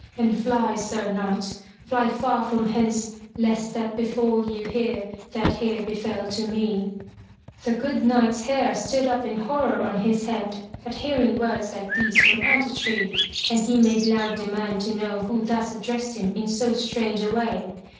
And fly, Sir Knight ! Fly far from hence, lest that befall you here that here befell to me/' The good Knight's hair stood up in horror on his head at hearing words like these from out a tree and he made loud demand to know who thus addressed him in so strange a way.